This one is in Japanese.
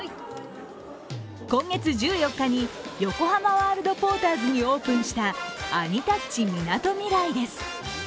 今月１４日に横浜ワールドポーターズにオープンしたアニタッチみなとみらいです。